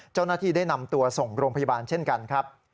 เจ้าหน้าที่ได้นำตัวส่งโรงพยาบาลเช่นกันครับ